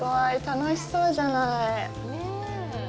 楽しそうじゃない。